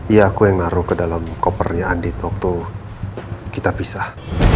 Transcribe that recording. iya aku yang naruh ke dalam kopernya andi waktu kita pisah